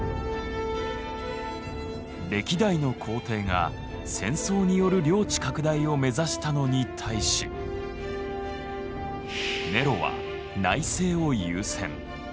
歴代の皇帝が戦争による領地拡大を目指したのに対しネロは内政を優先。